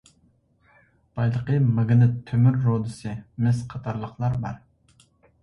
بايلىقى ماگنىت تۆمۈر رۇدىسى، مىس قاتارلىقلار بار.